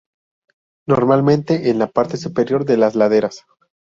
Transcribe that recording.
Normalmente en la parte superior de las laderas.